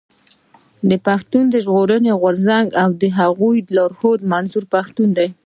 د پښتون ژغورني غورځنګ او د هغه د لارښود منظور پښتين.